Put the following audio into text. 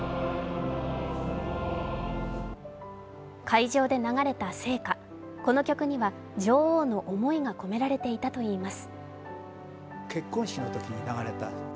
会場で流れた聖歌、この曲には女王の思いが込められていたといいます。